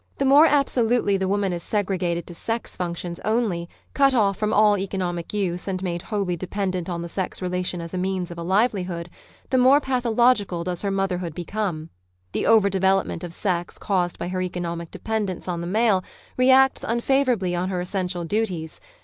The more absolutely the woman is segregated to sex functions only, cut off from all economic use and made wholly dependent on the sex relation as means of a livelihood, the more pathological docs her motherhood become. The over development of sex caused by her economic dependence on the male reacts unfavour My on her essential duties.